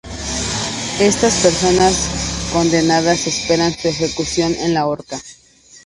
Estas personas condenadas esperan su ejecución en la horca.